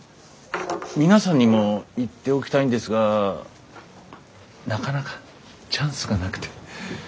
皆さんにも言っておきたいんですがなかなかチャンスがなくて。